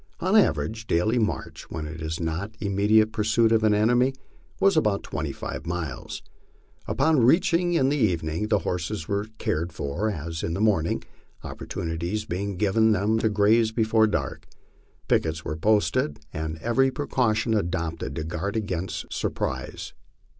Our average daily march, when not in immediate pursuit of the enemy, waa about twenty five miles. Upon reaching camp in the evening the horses were oared for as in the morning, opportunities being given them to grazo before iark. Pickets were posted and every precaution adopted to guard against sur prise.